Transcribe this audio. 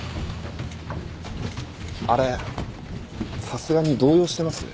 さすがに動揺してます？